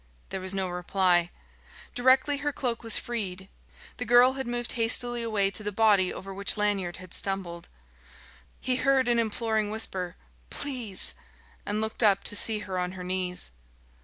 There was no reply. Directly her cloak was freed, the girl had moved hastily away to the body over which Lanyard had stumbled. He heard an imploring whisper "Please!" and looked up to see her on her knees.